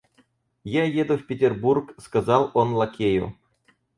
Я еду в Петербург, — сказал он лакею.